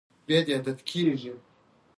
افغانستان کې د نفت د پرمختګ هڅې روانې دي.